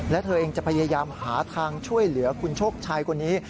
และเธอเองจะพยายามหาทางช่วยเหลือคุณโชคชัยคนนี้